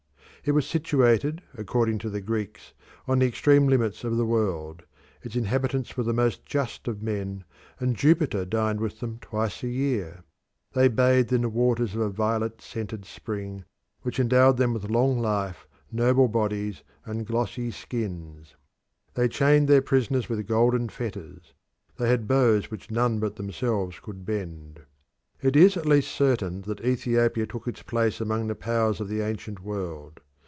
It was situated, according to the Greeks, on the extreme limits of the world; its inhabitants were the most just of men, and Jupiter dined with them twice a year. They bathed in the waters of a violet scented spring which endowed them with long life, noble bodies, and glossy skins. They chained their prisoners with golden fetters; they had bows which none but themselves could bend. It is at least certain that Ethiopia took its place among the powers of the ancient world.